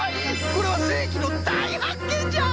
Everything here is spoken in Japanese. これはせいきのだいはっけんじゃ！